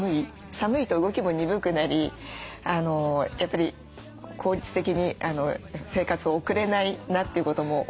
寒いと動きも鈍くなりやっぱり効率的に生活を送れないなということも思いましたし。